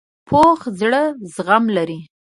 پوخ زړه زغم لري